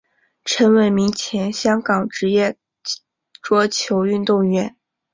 陈伟明前香港职业桌球运动员。